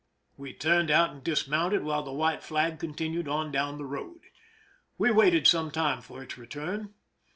We turned out and dismounted, 292 PRISON LIFE THE SIEGE while the white flag continued on down the road. We waited some time for its return.